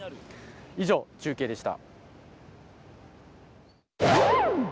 以上、中継でした。